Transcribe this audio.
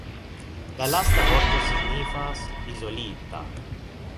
La lasta vorto signifas "izolita".